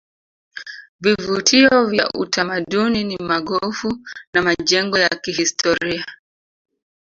vivutio vya utamaduni ni magofu na majengo ya kihistoria